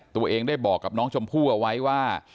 ตัวเองได้บอกกับน้องชมพู่เอาไว้ว่า